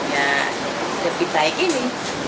ya lebih baik ini